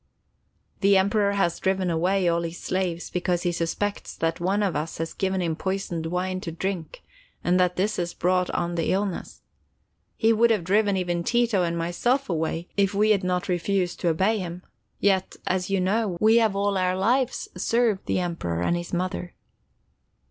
"The Emperor has driven away all his slaves because he suspects that one of us has given him poisoned wine to drink, and that this has brought on the illness. He would have driven even Tito and myself away, if we had not refused to obey him; yet, as you know, we have all our lives served the Emperor and his mother."